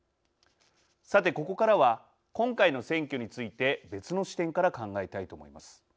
さてここからは今回の選挙について別の視点から考えたいと思います。